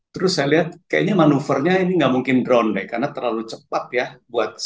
terus saya lihat kayaknya manuvernya ini nggak mungkin drone deh karena terlalu cepat ya